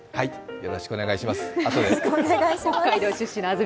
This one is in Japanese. よろしくお願いします。